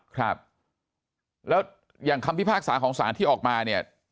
ครับแล้วอย่างคำพิพากษาของสารที่ออกมาเนี่ย